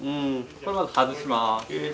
これまず外します。